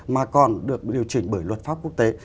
mà còn được điều chỉnh bởi luật pháp quốc tế